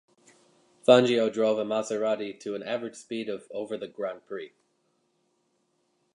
Fangio drove a Maserati to an average speed of over the grand prix.